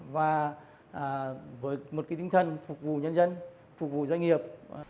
và với một tinh thần phục vụ nhân dân phục vụ doanh nghiệp